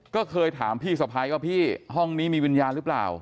ก็เคยถามพี่สะพ้ายว่าพี่ห้องนี้มีวิญญาณหรือเปล่า